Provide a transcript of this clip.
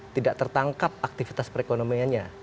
tidak tertangkap aktivitas perekonomiannya